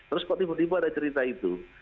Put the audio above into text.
terus kok tiba tiba ada cerita itu